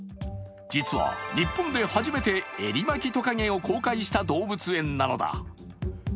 実は、日本で初めてエリマキトカゲを公開した動物園なのだ。